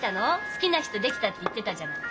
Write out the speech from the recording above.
「好きな人出来た」って言ってたじゃない。